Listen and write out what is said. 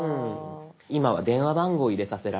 今は電話番号を入れさせられますね。